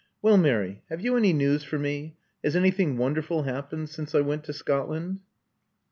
Well, Mary, have you any news for me? Has anjrthing wonderful happened since I went to Scotland?"